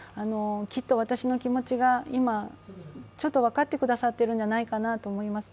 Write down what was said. きっと私の気持ちが今、ちょっと分かってくださっているのではないかと思います。